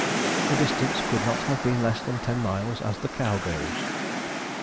The distance could not have been less than ten miles as a cow goes.